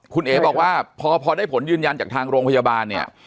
คุณเอ๋บอกว่าพอได้ผลยืนยันจากทางโรงพยาบาลเนี่ย